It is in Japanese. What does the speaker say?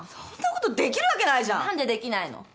そんなことできるわけないじゃん。何でできないの？